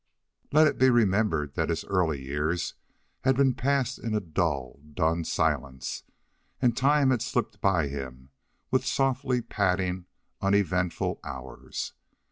Let it be remembered that his early years had been passed in a dull, dun silence, and time had slipped by him with softly padding, uneventful hours.